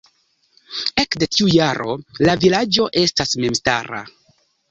Ekde tiu jaro la vilaĝo estas memstara.